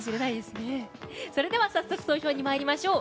それでは早速投票に参りましょう。